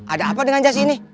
ada apa dengan jazz ini